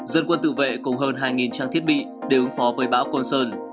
dân quân tự vệ cùng hơn hai trang thiết bị để ứng phó với bão côn sơn